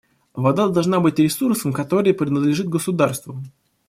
Вода должна быть ресурсом, который принадлежит государству.